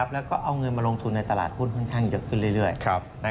แล้วก็เอาเงินมาลงทุนในตลาดหุ้นค่อนข้างเยอะขึ้นเรื่อย